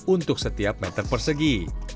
untuk setiap meter persegi